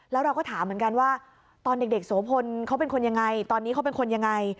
แล้วเราก็ถามเหมือนกันว่าตอนเด็กโสพลเขาเป็นคนยังไงตอนนี้เขาเป็นคนยังไง